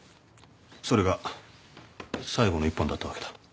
それが最後の１本だったわけだ。